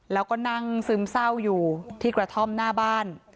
แล้วก็นั่งซึมเศร้าอยู่ที่กระท่อมหน้าบ้าน